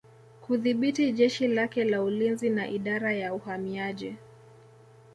Kudhibiti jeshi lake la ulinzi na Idara ya Uhamiaji